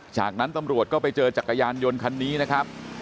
จากนั้นตำรวจก็ไปเจอจักรยานยนต์คันนี้นะครับ